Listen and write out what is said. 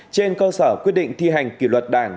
trên cơ sở quyết định thi hành kỷ luật đảng